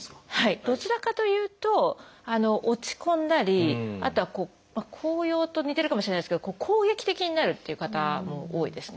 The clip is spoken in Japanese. どちらかというと落ち込んだりあとは高揚と似てるかもしれないですけど攻撃的になるっていう方多いですね。